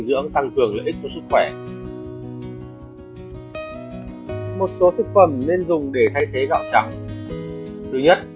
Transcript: lượng tăng cường lợi ích cho sức khỏe một số thực phẩm nên dùng để thay thế gạo trắng